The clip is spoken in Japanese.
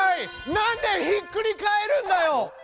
なんでひっくり返るんだよ！